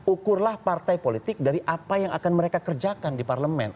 ukurlah partai politik dari apa yang akan mereka kerjakan di parlemen